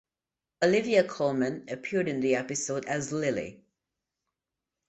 Olivia Colman appeared in the episode as Lily.